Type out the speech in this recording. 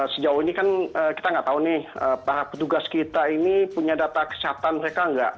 sejauh ini kan kita nggak tahu nih para petugas kita ini punya data kesehatan mereka enggak